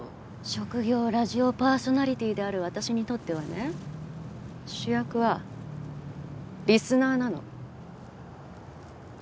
職業ラジオパーソナリティーである私にとってはね主役はリスナーなの。